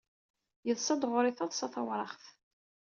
Yeḍsa-d ɣer-i taḍsa tawraɣt.